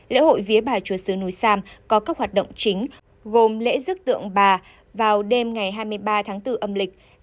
lễ hội vía bà chùa sứ núi sam có các hoạt động chính gồm lễ rước tượng bà vào đêm ngày hai mươi ba tháng bốn âm lịch